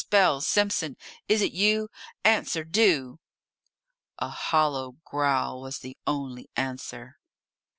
Bell! Simpson! Is it you? Answer, do!" A hollow growl was the only answer.